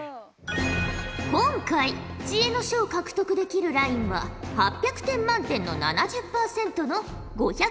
今回知恵の書を獲得できるラインは８００点満点の７０％の５６０ほぉじゃ。